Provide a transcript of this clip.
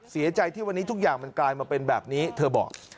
เสียใจที่วันนี้ทุกอย่างมันกลายมาเป็นแบบนี้เธอบอก